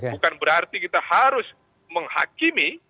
bukan berarti kita harus menghakimi